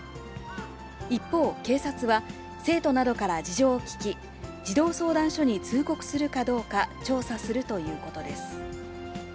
一方、警察は生徒などから事情を聴き、児童相談所に通告するかどうか調査するということです。